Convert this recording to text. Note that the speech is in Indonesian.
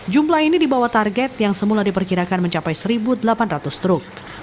jumlah ini dibawah target yang semula diperkirakan mencapai seribu delapan ratus truk